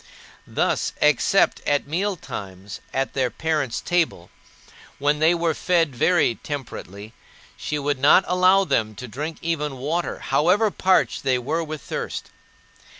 Thus, except at mealtimes at their parents' table when they were fed very temperately she would not allow them to drink even water, however parched they were with thirst.